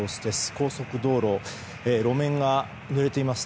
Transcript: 高速道路、路面がぬれています。